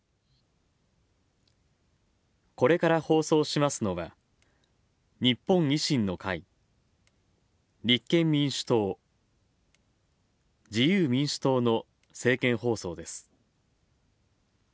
これから放送しますのは、日本維新の会立憲民主党自由民主党の政見放送です。